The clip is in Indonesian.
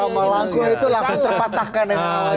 arzul kivli tomo langkul itu langsung terpatahkan